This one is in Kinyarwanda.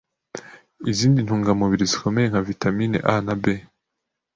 izindi ntungamubiri zikomeye nka vitamines A, na B,